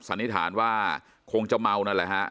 สันนิษฐานว่าคงจะเมานั่นแหละฮะ